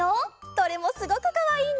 どれもすごくかわいいね！